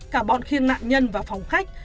cả bọn khiêng nạn nhân và phòng khách